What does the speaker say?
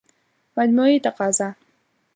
مجموعي تقاضا